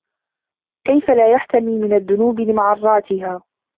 كَيْفَ لَا يَحْتَمِي مِنْ الذُّنُوبِ لِمَعَرَّاتِهَا